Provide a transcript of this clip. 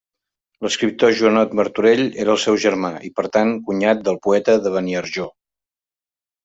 L'escriptor Joanot Martorell era el seu germà i, per tant, cunyat del poeta de Beniarjó.